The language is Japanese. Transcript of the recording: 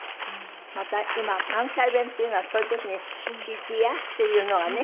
また今関西弁っていうのはそういう時に「生きや」っていうのがね。